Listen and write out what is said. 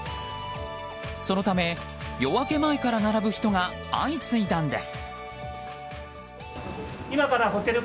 そのため、夜明け前から並ぶ人が相次いだんです。